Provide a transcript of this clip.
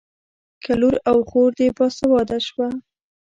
که لور او خور دې باسواده شوه.